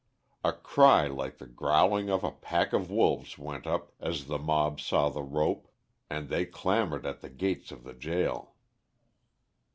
A cry like the growling of a pack of wolves went up as the mob saw the rope, and they clamoured at the gates of the gaol.